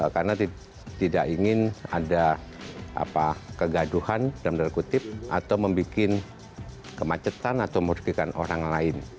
karena tidak ingin ada kegaduhan dalam darah kutip atau membuat kemacetan atau merugikan orang lain